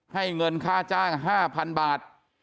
เงินค่าจ้าง๕๐๐๐บาท